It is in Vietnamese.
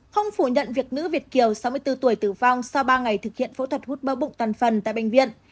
không phủ nhận việc nữ việt kiều sáu mươi bốn tuổi tử vong sau ba ngày thực hiện phẫu thuật hút bơ bụng tàn phần tại bệnh viện